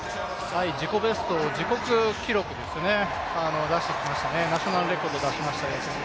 自己ベスト、自国記録を出してきましたね、ナショナルレコードを出しました。